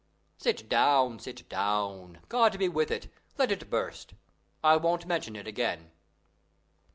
"Sit down, sit down. God be with it! let it burst! I won't mention it again."